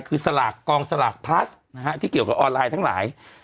คือสลากกองสลากพลัสนะฮะที่เกี่ยวกับออนไลน์ทั้งหลาย